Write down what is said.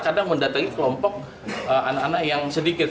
kadang mendatangi kelompok anak anak yang sedikit